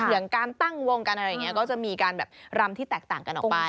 อย่างการตั้งวงกันอะไรอย่างนี้ก็จะมีการแบบรำที่แตกต่างกันออกไป